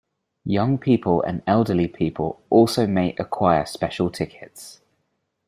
Young people and elderly people also may acquire special tickets.